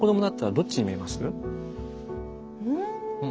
うん。